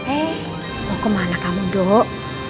eh mau kemana kamu dok